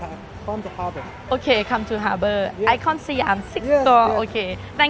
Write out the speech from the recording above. และความรู้สึกของอาเบิร์ดและก็ความรู้สึกของอาเบิร์ดไทย